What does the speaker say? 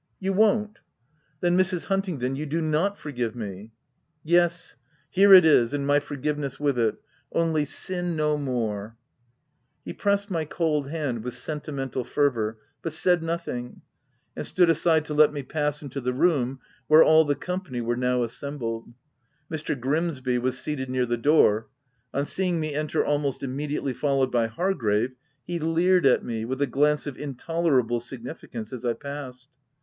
— You won't? Then, Mrs. Huntingdon, you do not forgive me !"" Yes — here it is, and my forgiveness with it : only — sin no more" He pressed my cold hand with sentimental fervour, but said nothing, and stood aside to let me pass into the room, where all the com pany were now assembled. Mr. Grimsby was seated near the door : on seeing me enter al most immediately followed by Hargrave, he leered at me, with a glance of intolerable sig nificance, as I passed.